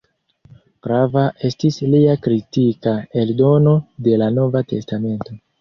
Grava estis lia kritika eldono de la "Nova Testamento".